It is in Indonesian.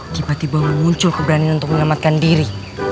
tiba tiba muncul keberanian untuk menyelamatkan diri